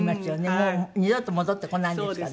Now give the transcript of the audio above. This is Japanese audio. もう二度と戻ってこないんですからね。